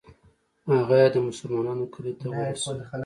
هغه یې د مسلمانانو کلي ته ورسوي.